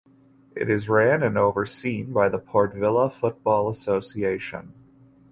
It is ran and overseen by the Port Vila Football Association.